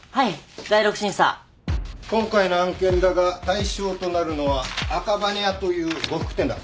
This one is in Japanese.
今回の案件だが対象となるのは赤羽屋という呉服店だ。